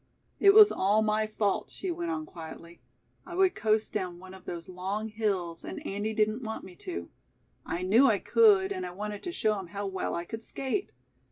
"It was all my fault," she went on quietly. "I would coast down one of those long hills and Andy didn't want me to. I knew I could, and I wanted to show him how well I could skate.